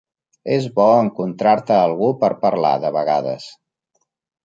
És bo encontrar-te algú per parlar, de vegades.